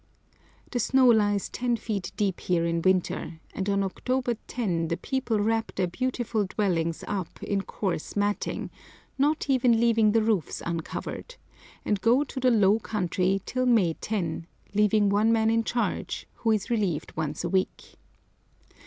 The snow lies ten feet deep here in winter, and on October 10 the people wrap their beautiful dwellings up in coarse matting, not even leaving the roofs uncovered, and go to the low country till May 10, leaving one man in charge, who is relieved once a week.